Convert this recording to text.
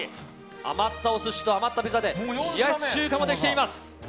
余ったお寿司と余ったピザで冷やし中華もできています！